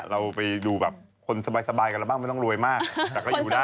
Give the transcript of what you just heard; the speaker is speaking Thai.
เราไปดูแบบคนสบายกันแล้วบ้างไม่ต้องรวยมากแต่ก็อยู่ได้